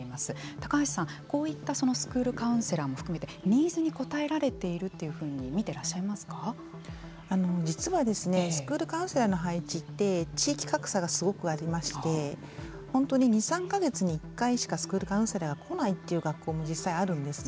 高橋さん、こういったスクールカウンセラーも含めてニーズに応えられているというふうに実はスクールカウンセラーの配置って地域格差がすごくありまして本当に２３か月に１回しかスクールカウンセラーが来ないという学校も実際にあるんですね。